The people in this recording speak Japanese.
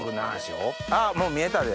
あっもう見えたで。